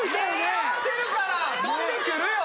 目合わせるから飛んでくるよ！